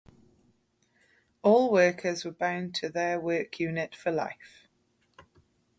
Also workers were bound to their work unit for life.